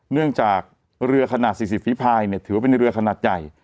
เนื่องจากเรือขนาด๔๐ฝีภายถือว่าเป็นเรือขนาดใหญ่